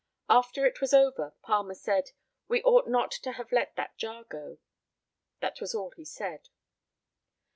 After it was over, Palmer said, "We ought not to have let that jar go." That was all he said.